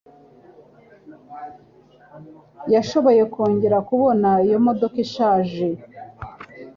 yashoboye kongera kubona iyo modoka ishaje